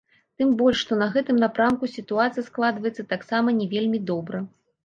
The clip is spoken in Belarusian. Тым больш што на гэтым напрамку сітуацыя складваецца таксама не вельмі добра.